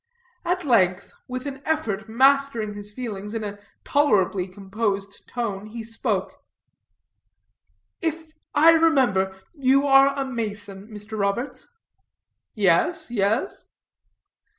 At length, with an effort mastering his feelings, in a tolerably composed tone he spoke: "If I remember, you are a mason, Mr. Roberts?" "Yes, yes."